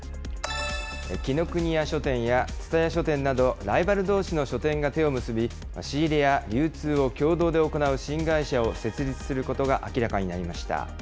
紀伊國屋書店や蔦屋書店など、ライバルどうしの書店が手を結び、仕入れや流通を共同で行う新会社を設立することが明らかになりました。